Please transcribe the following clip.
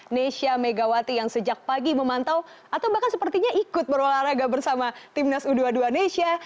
nesha megawati yang sejak pagi memantau atau bahkan sepertinya ikut berolahraga bersama timnas u dua puluh dua nesha